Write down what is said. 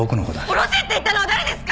おろせって言ったのは誰ですか！